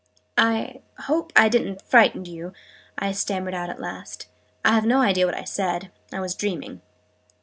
"I hope I didn't frighten you?" I stammered out at last. "I have no idea what I said. I was dreaming."